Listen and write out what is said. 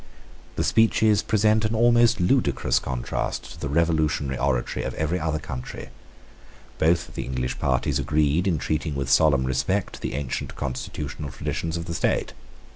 The speeches present an almost ludicrous contrast to the revolutionary oratory of every other country. Both the English parties agreed in treating with solemn respect the ancient constitutional traditions of the state.